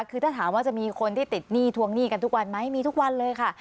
คือถ้าถามว่าจะมีคนที่ติดหนี้ทวงหนี้กันทุกวันไหมมีทุกวันเลยค่ะ